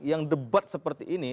yang debat seperti ini